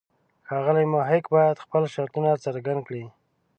ښاغلی محق باید خپل شرطونه څرګند کړي.